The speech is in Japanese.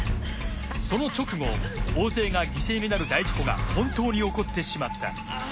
その直後大勢が犠牲になる大事故が本当に起こってしまった。